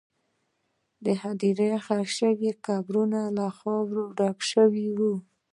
د هدیرې ښخ شوي قبرونه له خاورو ډک شوي وو.